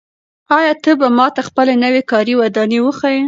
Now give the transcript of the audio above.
آیا ته به ماته خپله نوې کاري ودانۍ وښایې؟